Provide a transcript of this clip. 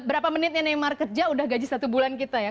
berapa menitnya neymar kerja udah gaji satu bulan kita ya